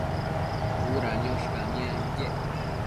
Uda niosh camianquiec